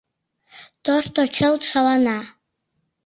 Тошто чылт шалана.